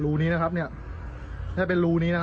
ชักเจ็ง